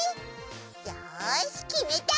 よしきめた！